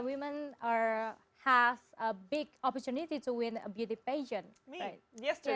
ya seperti yang pernah saya lihat sebelumnya juga di indonesia